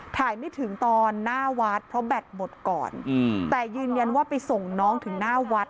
ถ่ายไม่ถึงตอนหน้าวัดเพราะแบตหมดก่อนอืมแต่ยืนยันว่าไปส่งน้องถึงหน้าวัด